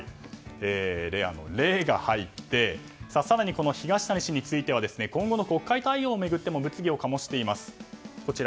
レアの「レ」が入って更に東谷氏については今後の国会対応を巡っても物議を醸しています。